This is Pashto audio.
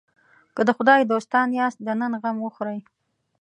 که د خدای دوستان یاست د نن غم وخورئ.